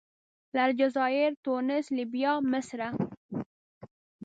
له الجزایر، تونس، لیبیا، مصره.